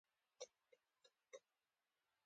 موږ د خارجي اسعارو زیرمې نه لرو.